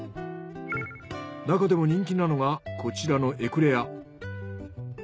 なかでも人気なのがこちらのエクレア。